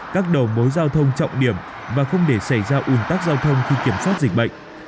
các đầu mối giao thông trọng điểm và không để xảy ra ủn tắc giao thông khi kiểm soát dịch bệnh